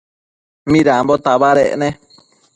Midambo tabadec ne?